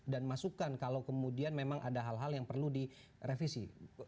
masukan kalau kemudian memang ada hal hal yang perlu direvisi